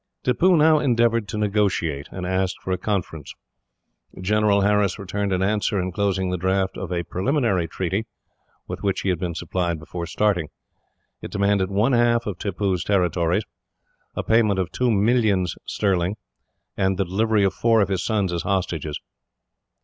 Tippoo now endeavoured to negotiate, and asked for a conference. General Harris returned an answer, enclosing the draft of a preliminary treaty, with which he had been supplied before starting. It demanded one half of Tippoo's territories, a payment of two millions sterling, and the delivery of four of his sons as hostages.